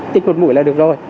tích một mũi là được rồi